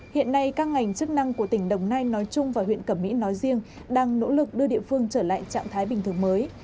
hiện nay các ngành chức năng của tỉnh đồng nai nói chung và huyện cẩm mỹ nói riêng đang nỗ lực đưa địa phương trở lại trạng thái bình thường mới